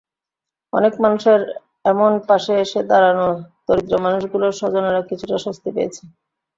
অনেক মানুষের এমন পাশে এসে দাঁড়ানোয় দরিদ্র মানুষগুলোর স্বজনেরা কিছুটা স্বস্তি পেয়েছে।